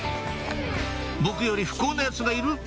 「僕より不幸なヤツがいる」